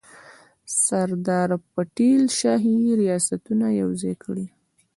سردار پټیل شاهي ریاستونه یوځای کړل.